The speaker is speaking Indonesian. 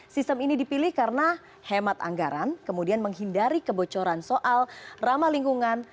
sistem ini dipilih karena hemat anggaran kemudian menghindari kebocoran soal ramah lingkungan